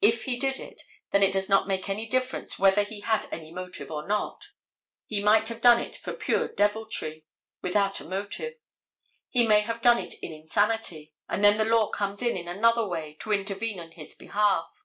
If he did it then it does not make any difference whether he had any motive or not. He might have done it for pure deviltry, without a motive. He may have done it in insanity, and then the law comes in, in another way, to intervene in his behalf.